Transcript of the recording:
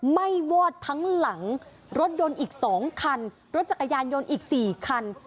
ไหม้วอดทั้งหลังรถยนต์อีก๒คันรถจักรยานยนต์อีก๔คัน